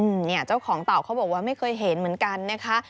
เนี่ยเจ้าของเต่าเขาบอกว่าไม่เคยเห็นเหมือนกันนะคะ